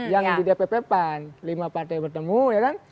yang di dpp pan lima partai bertemu ya kan